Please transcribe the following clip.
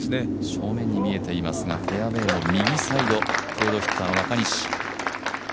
正面に見えていますがフェアウエーの右サイド、フェードヒッターの中西。